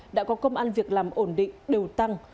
đã có công an việc làm ổn định đều tăng